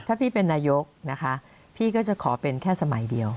ถ้าพี่เป็นนายกนะคะพี่ก็จะขอเป็นแค่สมัยเดียว